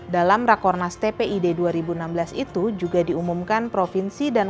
dalam rakornas tpid dua ribu enam belas itu juga diumumkan provinsi dan